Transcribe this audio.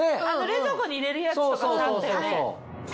冷蔵庫に入れるやつとかさあったよね。